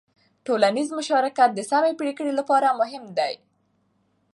ټولنیز مشارکت د سمې پرېکړې لپاره مهم دی.